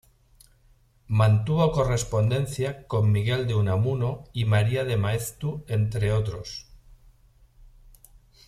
Mantuvo correspondencia con Miguel de Unamuno y María de Maeztu entre otros.